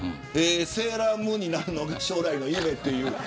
セーラームーンになるのが将来の夢という。